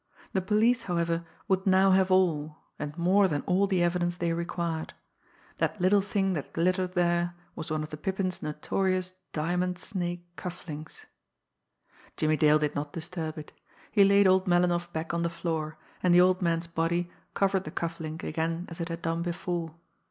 The police, however, would now have all, and more than all the evidence they required. That little thing that glittered there was one of the Pippin's notorious diamond snake cuff links. Jimmie Dale did not disturb it. He laid old Melinoff back on the floor, and the old man's body covered the cuff link again as it had done before.